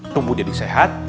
tumbuh jadi sehat